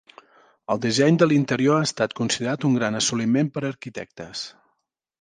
El disseny de l'interior ha estat considerat un gran assoliment per arquitectes.